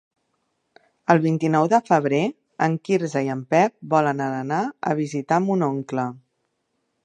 El vint-i-nou de febrer en Quirze i en Pep volen anar a visitar mon oncle.